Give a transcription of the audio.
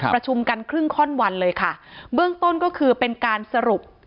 ประชุมกันครึ่งข้อนวันเลยค่ะเบื้องต้นก็คือเป็นการสรุป